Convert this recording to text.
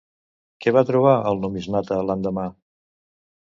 Què va trobar el numismata l'endemà?